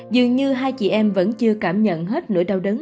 dường như hai chị em vẫn chưa cảm nhận hết nỗi đau đớn